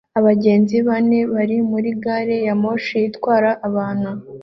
Abagenzi bane bari muri gari ya moshi itwara abantu